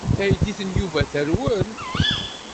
Taydit n Yuba terwel.